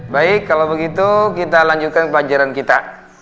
baik kalau begitu kita lanjutkan pelajaran kita